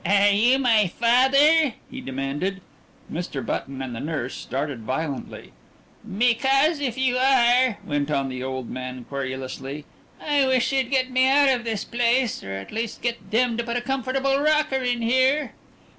"Are you my father?" he demanded. Mr. Button and the nurse started violently. "Because if you are," went on the old man querulously, "I wish you'd get me out of this place or, at least, get them to put a comfortable rocker in here."